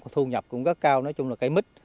thu nhập cũng rất cao nói chung là cây mít